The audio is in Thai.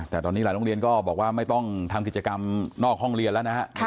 แต่ตอนนี้หลายโรงเรียนก็บอกว่าไม่ต้องทำกิจกรรมนอกห้องเรียนแล้วนะฮะ